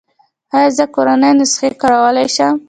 ایا زه کورنۍ نسخې کارولی شم؟